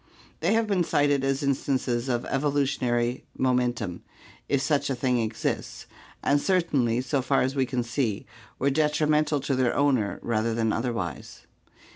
They have been cited as instances of evolutionary momentum, if such a thing exists, and certainly, so far as we can see, were detrimental to their owner rather than otherwise.